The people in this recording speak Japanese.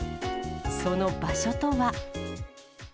その場所とは。